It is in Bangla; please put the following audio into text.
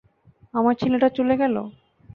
আমার ছেলেটা চলে গেলো।